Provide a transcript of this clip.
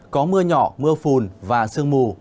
có mưa nhỏ mưa phùn và sương mù